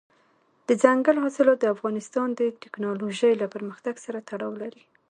دځنګل حاصلات د افغانستان د تکنالوژۍ له پرمختګ سره تړاو لري.